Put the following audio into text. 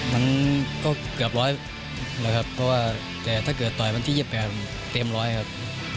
มันก็เกือบร้อยแล้วครับเพราะว่าแต่ถ้าเกิดต่อยวันที่๒๘เต็มร้อยครับ